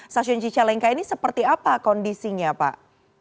stasiun cicalengka ini seperti apa kondisinya pak